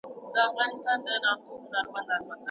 د پیل زور نه په رسیږي